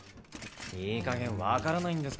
いいかげん分からないんですか？